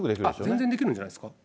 全然できるんじゃないですか。